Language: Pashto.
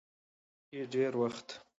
په پښتو کې ډېر وخت